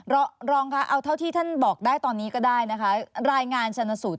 รองรองค่ะเอาเท่าที่ท่านบอกได้ตอนนี้ก็ได้นะคะรายงานชนสูตร